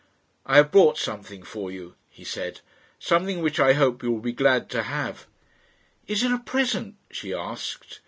"I have brought something for you," he said "something which I hope you will be glad to have." "Is it a present? she asked.